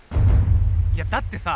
いやだってさ